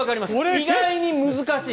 意外に難しい。